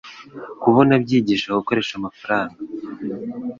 Kubona byigisha gukoresha amafaranga